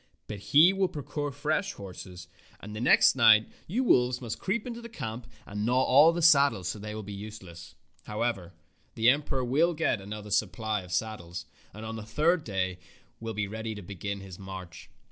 But he will procure fresh horses, and the next night you 102 Fairy Tale Foxes wolves must creep into the camp and gnaw all the saddles so they will be useless. How ever, the emperor will get another supply of saddles, and on the third day will be ready to begin his march.